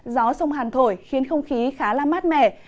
gió sông hàn thổi khiến không khí khá là mát mẻ